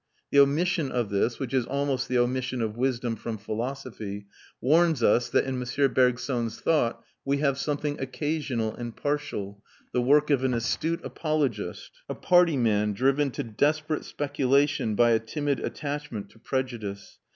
The omission of this, which is almost the omission of wisdom from philosophy, warns us that in M. Bergson's thought we have something occasional and partial, the work of an astute apologist, a party man, driven to desperate speculation by a timid attachment to prejudice.